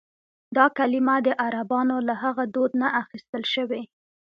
دا کلیمه د عربانو له هغه دود نه اخیستل شوې.